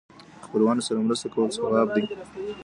د خپلوانو سره مرسته کول ثواب دی.